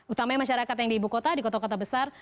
utamanya masyarakat yang di ibukota di kota kota besar